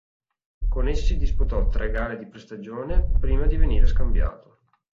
Con essi disputò tre gare di pre-stagione prima di venire scambiato.